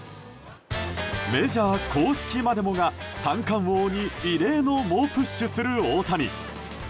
メジャー公式までもが三冠王に異例の猛プッシュする大谷。